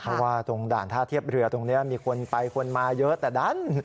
เพราะว่าตรงด่านท่าเทียบเรือตรงนี้มีคนไปคนมาเยอะแต่ดัน